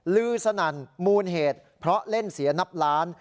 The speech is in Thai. ลือสนั่นมูลเหตุเพราะเล่นเสียนับล้าน